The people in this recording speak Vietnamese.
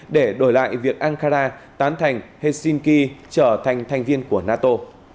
để đổi lại việc ankara tán thành helsinki trở thành thành viên của nato